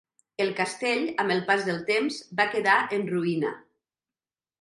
El castell, amb el pas del temps, va quedar en ruïna.